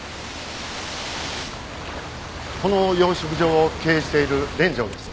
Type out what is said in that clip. この養殖場を経営している連城です。